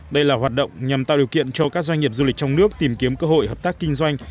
đây là hoạt động nhằm tạo điều kiện cho các doanh nghiệp du lịch trong nước tìm kiếm cơ hội hợp tác kinh doanh